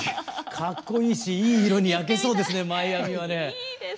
格好いいしいい色に焼けそうですねマイアミはね。